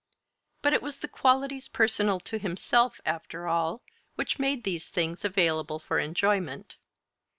But it was the qualities personal to himself, after all, which made these things available for enjoyment.